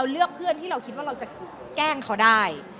เลือกเพื่อนที่เราคิดว่าเราจะแกล้งเขาได้